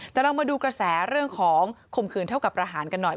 แต่เรามาดูกระแสเรื่องของข่มขืนเท่ากับประหารกันหน่อย